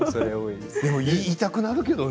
でも言いたくなるけれどもね。